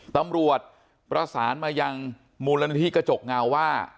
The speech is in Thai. ตำรวจประสานมายังมูลนิธิกระจกเงาว่า